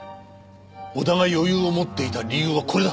小田が余裕を持っていた理由はこれだ。